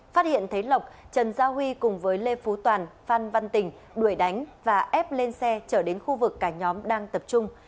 phát hiện thấy lộc trần gia huy cùng với lê phú toàn phan văn tình đuổi đánh và ép lên xe chở đến khu vực cả nhóm đang tập trung